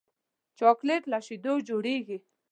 چاکلېټ له شیدو جوړېږي.